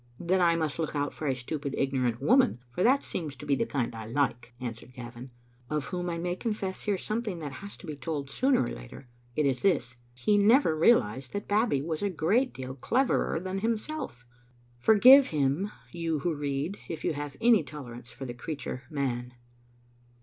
"" Then I must look out for a stupid, ignorant woman, for that seems to be the kind I like," answered Gavin, of whom I may confess here something that has to be told sooner or later. It is this: he never realised that Babbie was a great deal cleverer than himself. Forgive him, you who read, if you have any tolerance for the creature, man.